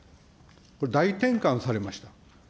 これ、大転換されました。